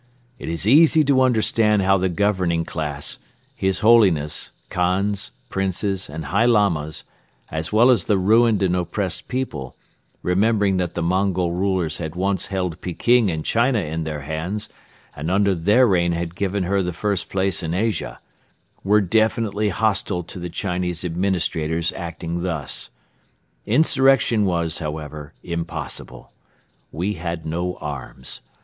It is easy to understand how the governing class, His Holiness, Khans, Princes, and high Lamas, as well as the ruined and oppressed people, remembering that the Mongol rulers had once held Peking and China in their hands and under their reign had given her the first place in Asia, were definitely hostile to the Chinese administrators acting thus. Insurrection was, however, impossible. We had no arms.